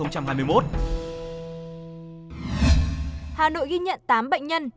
hà nội ghi nhận tám bệnh nhân